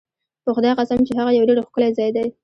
په خدای قسم چې هغه یو ډېر ښکلی ځای دی.